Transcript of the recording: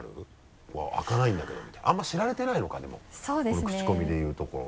このクチコミで言うところの。